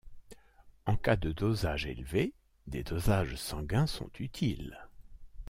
En cas de dosages élevés, des dosages sanguins sont utiles.